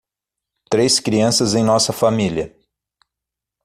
Três crianças em nossa família